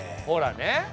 ほらね。